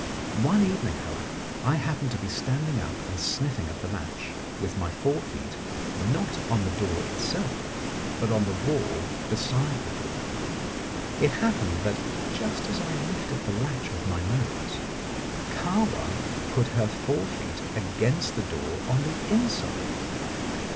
One evening, however, I happened to be standing up and sniffing at the latch, with my fore feet not on the door itself, but on the wall beside the door. It happened that, just as I lifted the latch with my nose, Kahwa put her fore feet against the door on the inside.